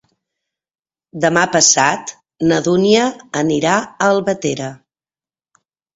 Demà passat na Dúnia anirà a Albatera.